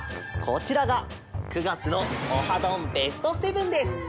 こちらが９がつの「オハどん！ベスト７」です！